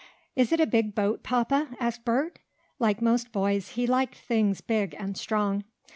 "Is it a big boat, Papa?" asked Bert. Like most boys he liked things big and strong.